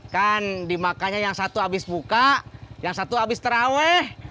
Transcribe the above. kan dimakanya yang satu abis buka yang satu abis terawih